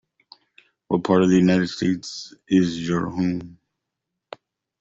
What part of the United States is your home.